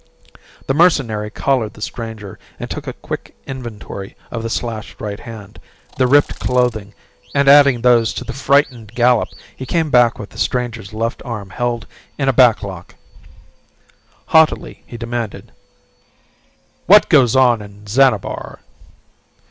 The mercenary collared the stranger and took a quick inventory of the slashed right hand, the ripped clothing, and adding those to the frightened gallop he came back with the stranger's left arm held in a backlock. Haughtily he demanded, "What goes on in Xanabar?"